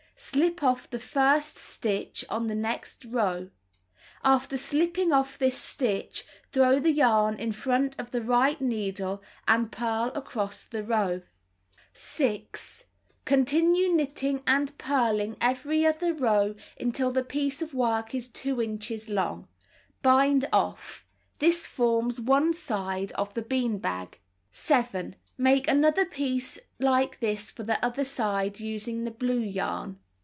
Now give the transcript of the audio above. Slip off the first stitch on the next row. After slipping off this stitch, throw the yarn in front of the right needle and purl across the row. Beicatk ^ ti td Isn't it pretty? Rice. 182 . Knitting and Crocheting Book 6. Continue knitting and purling every other row until the piece of work is 2 inches long. Bind off. This forms one side of the bean bag. 7. Make another piece like this for the other side, using the blue yarn.